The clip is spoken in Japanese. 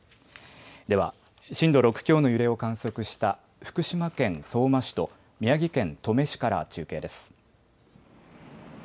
では、震度６強の揺れを観測した福島県相馬市と宮城県登米市から中継です。